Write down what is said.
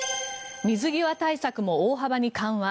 水際対策も大幅に緩和。